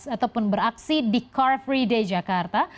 ataupun beraksi di car free day jakarta